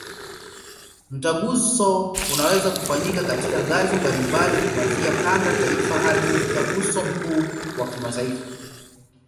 Mtaguso unaweza kufanyika katika ngazi mbalimbali, kuanzia kanda, taifa hadi Mtaguso mkuu wa kimataifa.